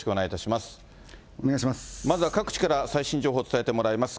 まずは各地から最新情報、伝えてもらいます。